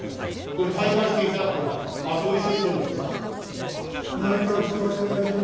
これ、退会していただくとか、そういう処置取るんですか。